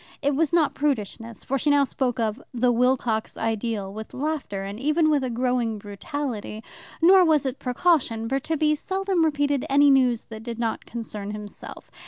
It was not prudishness, for she now spoke of "the Wilcox ideal" with laughter, and even with a growing brutality. Nor was it precaution, for Tibby seldom repeated any news that did not concern himself.